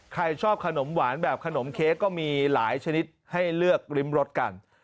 ใครชอบขนมหวานแบบขนมเค้กก็มีหลายชนิดให้เลือกริมรสกัน